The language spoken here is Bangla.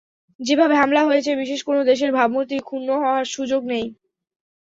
যেভাবে হামলা হয়েছে, বিশেষ কোনো দেশের ভাবমূর্তি ক্ষুণ্ন হওয়ার সুযোগ নেই।